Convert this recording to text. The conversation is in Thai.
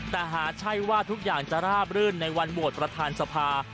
แต่หากใช่ว่าทุกอย่างจะราบรื่นในวันโหวตประธานสภา